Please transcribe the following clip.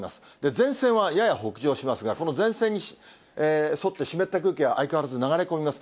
前線はやや北上しますが、この前線に沿って湿った空気が相変わらず流れ込みます。